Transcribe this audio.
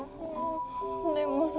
でもさ。